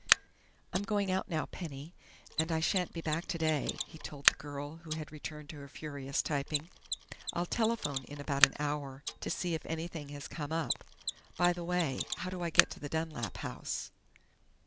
"I'm going out now, Penny, and I shan't be back today," he told the girl who had returned to her furious typing. "I'll telephone in about an hour to see if anything has come up.... By the way, how do I get to the Dunlap house?"